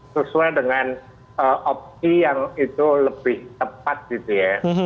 sesuai dengan opsi yang itu lebih tepat gitu ya